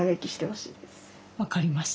分かりました。